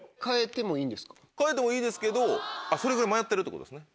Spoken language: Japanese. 変えてもいいですけどそれぐらい迷ってるってことですね。